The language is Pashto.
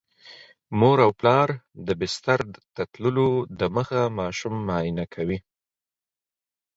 مور او پلار د بستر ته تللو دمخه ماشوم معاینه کوي.